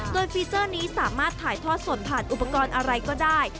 โดยฟีเจอร์นี้สามารถถ่ายทอดสดผ่านอุปกรณ์อะไรก็ได้